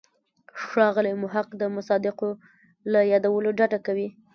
ښاغلی محق د مصادقو له یادولو ډډه کوي.